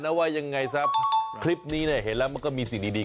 เอาจริงนะผมว่าอาจจะเป็นคลิปที่เขาทำเอาไว้